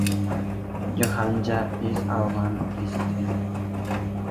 Khaja is of Afghan descent.